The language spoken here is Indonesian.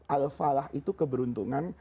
al falah itu keberuntungan